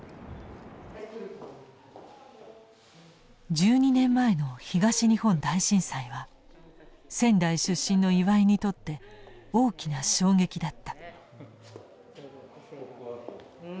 １２年前の東日本大震災は仙台出身の岩井にとって大きな衝撃だった。